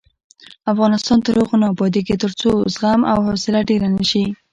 افغانستان تر هغو نه ابادیږي، ترڅو زغم او حوصله ډیره نشي.